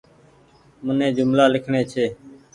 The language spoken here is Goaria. مني جملآ لکڻي ڇي